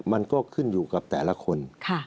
มันก็ขึ้นอยู่กับแต่ละคน